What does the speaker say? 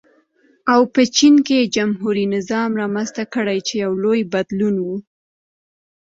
او په چین کې جمهوري نظام رامنځته کړي چې یو لوی بدلون و.